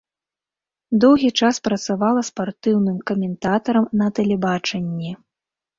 Доўгі час працавала спартыўным каментатарам на тэлебачанні.